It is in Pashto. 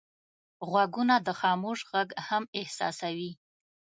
غوږونه د خاموش غږ هم احساسوي